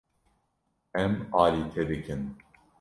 Em alî te dikin.